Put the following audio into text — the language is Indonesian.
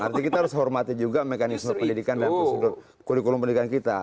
artinya kita harus hormati juga mekanisme pendidikan dan prosedur kurikulum pendidikan kita